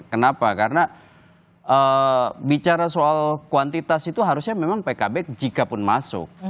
kenapa karena bicara soal kuantitas itu harusnya memang pkb jikapun masuk